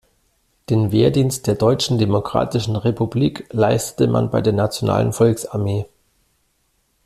Den Wehrdienst der Deutschen Demokratischen Republik leistete man bei der nationalen Volksarmee.